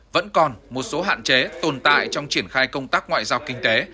vẫn còn một số hạn chế tồn tại trong triển khai công tác ngoại giao kinh tế